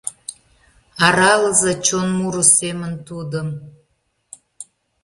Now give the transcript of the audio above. Аралыза чон муро семын тудым.